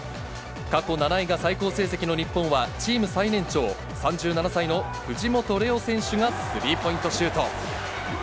過去７位が最高成績の日本は、チーム最年長、３７歳の藤本怜央選手がスリーポイントシュート。